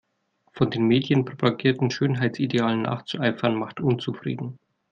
Von den Medien propagierten Schönheitsidealen nachzueifern macht unzufrieden.